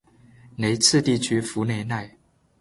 雷茨地区弗雷奈。